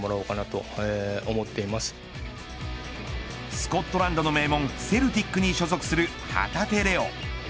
スコットランドの名門セルティックに所属する旗手怜央。